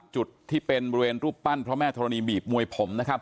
จุดที่เป็นบริเวณรูปปั้นพระแม่ธรณีบีบมวยผมนะครับ